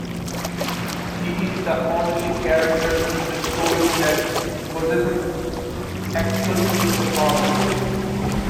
He is the only character in the story that possesses actual superpowers.